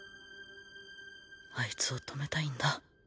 あいつを止めたいんだ。